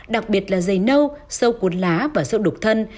đặc biệt là dày nâu sâu cuốn lá và sâu đục thân